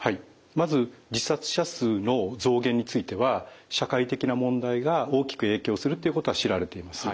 まず自殺者数の増減については社会的な問題が大きく影響するということが知られています。